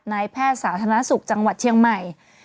นายแพทย์สาธารณสุขจังหวัดเชียงใหม่